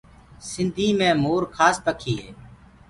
سنڌي مي مور کاس پکي هي۔